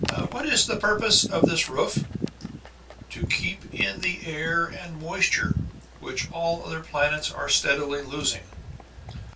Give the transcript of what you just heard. ] "What is the purpose of this roof?" "To keep in the air and moisture, which all other planets are steadily losing.